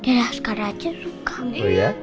dia sekarang aja suka